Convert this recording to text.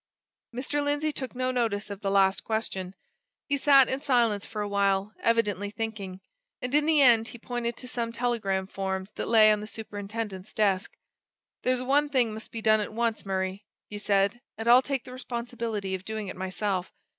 Mr. Lindsey took no notice of the last question. He sat in silence for a while, evidently thinking. And in the end he pointed to some telegram forms that lay on the superintendent's desk. "There's one thing must be done at once, Murray," he said; "and I'll take the responsibility of doing it myself.